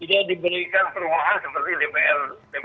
tidak diberikan perumahan seperti dpr